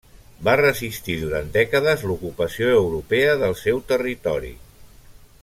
Va resistir durant dècades l'ocupació europea del seu territori.